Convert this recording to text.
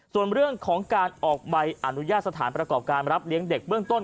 ส่วนเรื่องของการออกใบอนุญาตสถานประกอบการรับเลี้ยงเด็กเบื้องต้น